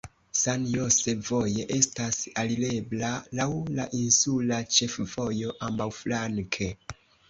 San Jose voje estas alirebla laŭ la insula ĉefvojo ambaŭflanke.